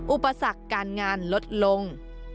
อุปสรรคการงานลดลง